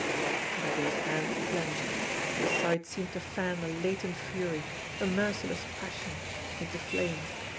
Jimmie Dale's hand clenched. The sight seemed to fan a latent fury, a merciless passion into flame.